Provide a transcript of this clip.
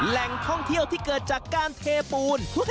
แหล่งท่องเที่ยวที่เกิดจากการเทปูน